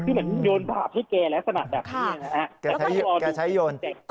คือเหมือนโยนบาปให้แกลักษณะแบบนี้นะฮะ